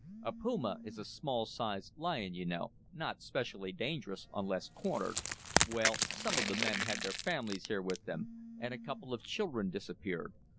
"A puma is a small sized lion, you know, not specially dangerous unless cornered. Well, some of the men had their families here with them, and a couple of children disappeared.